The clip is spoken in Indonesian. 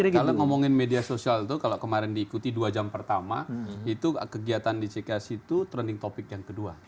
kalau ngomongin media sosial itu kalau kemarin diikuti dua jam pertama itu kegiatan di cks itu trending topic yang kedua